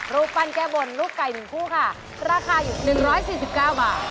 รูปปั้นแก้บนรูปไก่๑คู่ค่ะราคาอยู่๑๔๙บาท